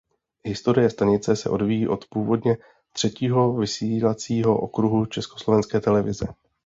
Historie stanice se odvíjí od původně třetího vysílacího okruhu Československé televize.